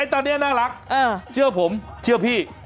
ตอนนี้น่ารักเชื่อผมเชื่อพี่